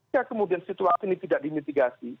jika kemudian situasi ini tidak dimitigasi